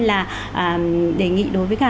là đề nghị đối với